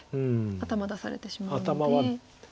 頭出されてしまうので。